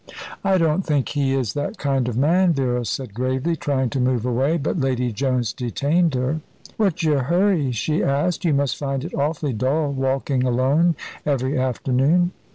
"I don't think he is that kind of man," Vera said gravely, trying to move away; but Lady Jones detained her. "What's your hurry?" she asked. "You must find it awfully dull walking alone every afternoon."